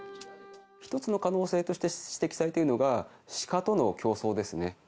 一つの可能性として指摘されているのが、シカとの競争ですね。